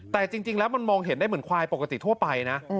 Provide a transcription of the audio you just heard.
แต่จริงแล้วมันมองเห็นได้เหมือนควายปกติทั่วไปนะ